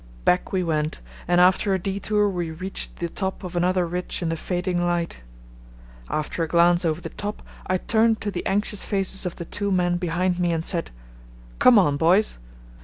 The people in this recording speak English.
Back we went, and after a detour we reached the top of another ridge in the fading light. After a glance over the top I turned to the anxious faces of the two men behind me and said, "Come on, boys."